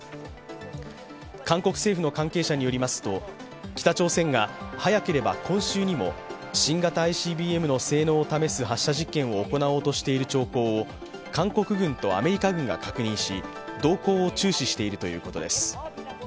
韓国政府の関係者によりますと北朝鮮が早ければ今週にも新型ＩＣＢＭの性能を試す発射実験を行おうとしている兆候を韓国軍とアメリカ軍が確認し、動向を注視しているということです。